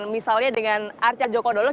misalnya dengan arca dokodolok